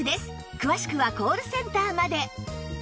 詳しくはコールセンターまで